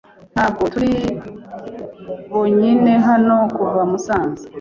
Ntabwo turi bonyine hano kuva Musanze.